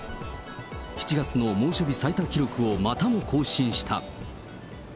７月の猛暑日最多記録をまたも更新した。